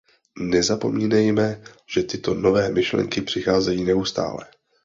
Nezapomínejme, že tyto nové myšlenky přicházejí neustále.